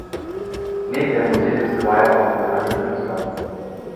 Neben der Musik ist Squire auch ein bekannter Künstler.